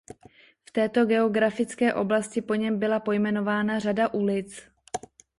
V této geografické oblasti po něm byla pojmenována řada ulic.